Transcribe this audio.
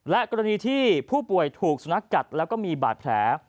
และกรณีที่ผู้ป่วยถูกสุนัขกัดแล้วก็มีบาดแผล